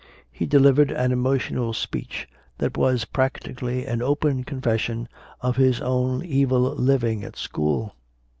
He delivered an emotional speech that was practically an open confession of his own evil living at school.